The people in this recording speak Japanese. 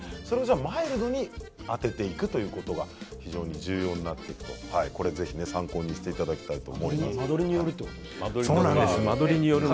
マイルドに当てていくということが非常に重要になっていくと参考にしていただきたい間取りによるということ？